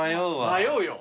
迷うよ。